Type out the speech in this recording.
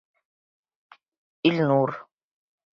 Илнур: